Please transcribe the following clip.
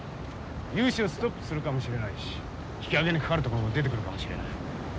融資をストップするかもしれないし引き揚げにかかるところも出てくるかもしれない。